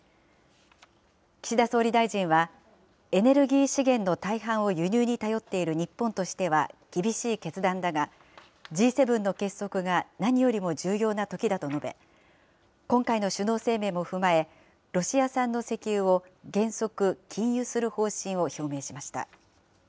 岸田総理大臣は、エネルギー資源の大半を輸入に頼っている日本としては厳しい決断だが、Ｇ７の結束が何よりも重要な時だと述べ、今回の首脳声明も踏まえ、ロシア産の石油を原則禁輸する方針を表明しました。